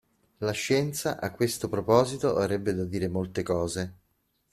La scienza, a questo proposito avrebbe da dire molte cose.